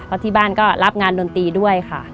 แล้วที่บ้านก็รับงานดนตรีด้วยค่ะ